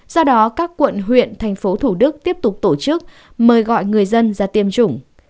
do đó các quận huyện thành phố thủ đức tiếp tục tổ chức mời gọi người dân ra tiêm chủng